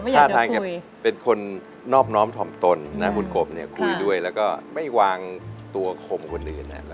ถ้าถ้าเป็นคนนอบถ่อมตนนะคุณกบเนี่ยคุยด้วยแล้วก็ไม่วางตัวคมคนอื่นเนี่ย